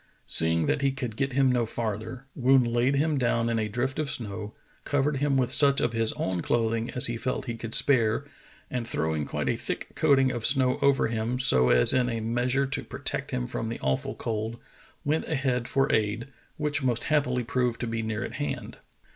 Seeing that he could get him no farther, Woon laid him down in a drift of snow, covered him with such of his own clothing as he felt he could spare, and throwing quite a thick coating of snow over him, so as in a meas ii6 True Tales of Arctic Heroism ure to protect him from the awful cold, went ahead for aid, which most happily proved to be near at hand.